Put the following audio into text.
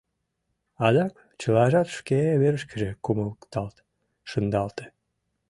Адакат чылажат шке верышкыже кумыкталт шындалте.